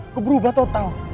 aku berubah total